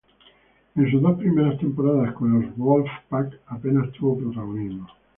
En sus dos primeras temporadas con los Wolfpack apenas tuvo protagonismo.